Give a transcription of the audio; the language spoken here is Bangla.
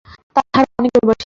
তাছাড়া অনেকে প্রবাসী।